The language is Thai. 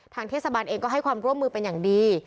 เทศบาลเองก็ให้ความร่วมมือเป็นอย่างดี